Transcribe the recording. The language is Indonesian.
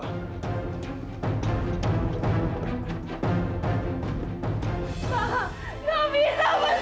pak enggak bisa pak